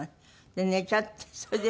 寝ちゃってそれで。